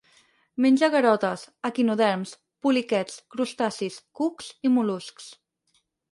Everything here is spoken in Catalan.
Menja garotes, equinoderms, poliquets, crustacis, cucs i mol·luscs.